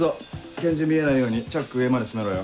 拳銃見えないようにチャック上まで閉めろよ。